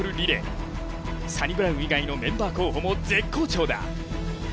サニブラウン以外のメンバー候補も絶好調だ。